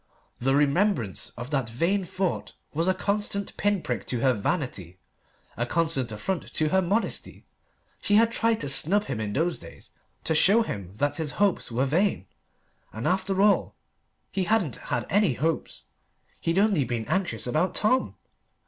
The remembrance of that vain thought was a constant pin prick to her vanity, a constant affront to her modesty. She had tried to snub him in those days to show him that his hopes were vain. And after all he hadn't had any hopes: he'd only been anxious about Tom!